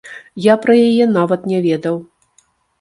Я пра яе нават не ведаў!